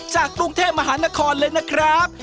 จากกรุงเทพมหานครเลยนะครับ